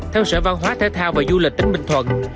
theo sở văn hóa thể thao và du lịch tỉnh bình thuận